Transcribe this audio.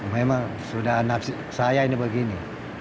memang sudah anak saya ini begini